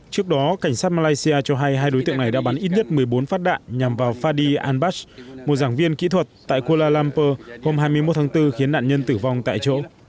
trước đó cảnh sát malaysia cho hay hai đối tượng này đã bắn ít nhất một mươi bốn phát đạn nhằm vào fadi al bash một giảng viên kỹ thuật tại kuala lumpur hôm hai mươi một tháng bốn khiến nạn nhân tử vong tại chỗ